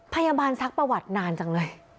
พยาบาลซักประวัตินานจังเลย